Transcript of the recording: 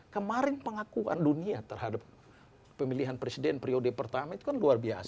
kemarin pengakuan dunia terhadap pemilihan presiden periode pertama itu kan luar biasa